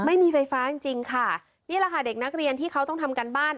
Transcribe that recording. ไม่มีไฟฟ้าจริงจริงค่ะนี่แหละค่ะเด็กนักเรียนที่เขาต้องทำการบ้าน